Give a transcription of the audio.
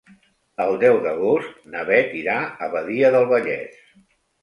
El deu d'agost na Beth irà a Badia del Vallès.